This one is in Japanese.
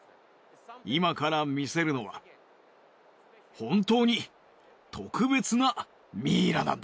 今から見せるのは本当に特別なミイラなんだ。